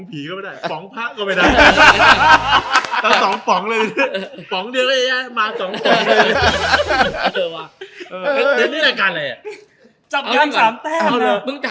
สักพักเดี๋ยวเขาเดินมาตบกวงเลยละ